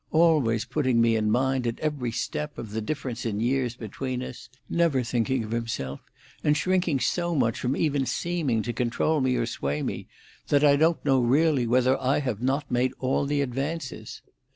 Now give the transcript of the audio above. always putting me in mind, at every step, of the difference in years between us; never thinking of himself, and shrinking so much from even seeming to control me or sway me, that I don't know really whether I have not made all the advances!